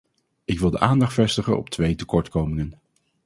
Ik wil de aandacht vestigen op twee tekortkomingen.